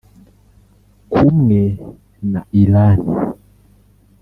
kumwe na Irani